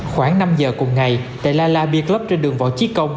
khoảng năm giờ cùng ngày tại la la beer club trên đường võ trí công